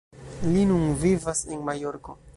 Li nun vivas en Majorko.